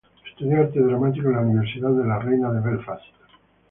Estudió Arte Dramático en la Universidad de la Reina de Belfast.